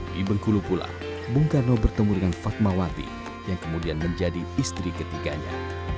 di bengkulu pula bung karno bertemu dengan fatmawati yang kemudian menjadi istri ketiganya